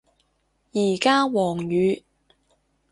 而家黃雨